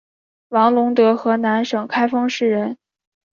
王陇德河南省开封市人。